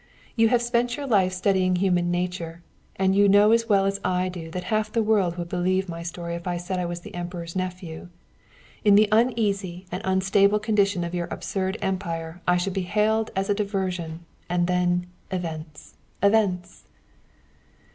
You have spent your life studying human nature, and you know as well as I do that half the world would believe my story if I said I was the Emperor's nephew. In the uneasy and unstable condition of your absurd empire I should be hailed as a diversion, and then events, events!"